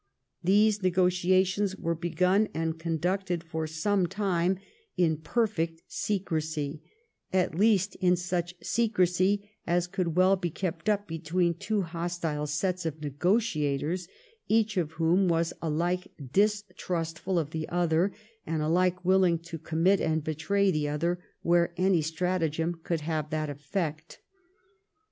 These negotiations were begun and conducted for 1711 SEOKET NEGOTIATIONS. 49 some time in perfect secrecy — at least in such secrecy as could well be kept up between two hostile sets of negotiators, each of whom was alike distrustful of the other and alike willing to commit and betray the other where any stratagem could have that effect.